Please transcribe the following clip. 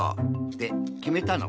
できめたの。